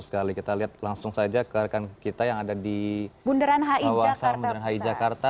kita lihat langsung saja ke rekan kita yang ada di bunderan hi jakarta